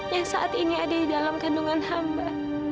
yang saat ini ada di dalam kandungan hamba